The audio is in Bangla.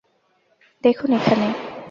দেখুন এখানে।